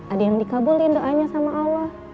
ada yang dikabulin doanya sama allah